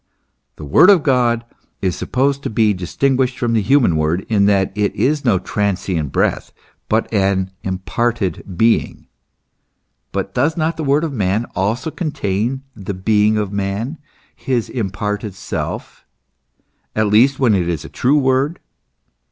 The Word of God is supposed to be distinguished from the human word in that it is no transient breath, but an imparted being. But does not the word of man also contain the being of man, his imparted self, at least when it is a true word